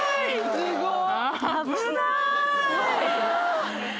すごい。